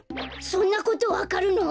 そんなことわかるの！？